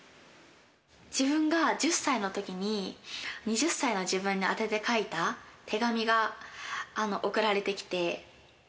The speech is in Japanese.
自分が１０歳のときに、２０歳の自分に宛てて書いた手紙が送られてきて。